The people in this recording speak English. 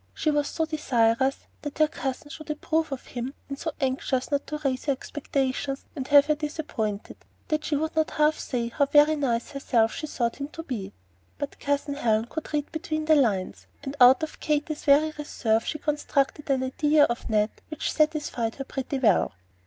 She was so desirous that her cousin should approve of him, and so anxious not to raise her expectations and have her disappointed, that she would not half say how very nice she herself thought him to be. But Cousin Helen could "read between the lines," and out of Katy's very reserve she constructed an idea of Ned which satisfied her pretty well.